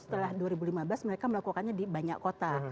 setelah dua ribu lima belas mereka melakukannya di banyak kota